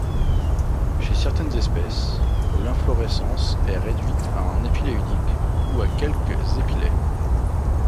Chez certaines espèces, l'inflorescence est réduite à un épillet unique ou à quelques épillets.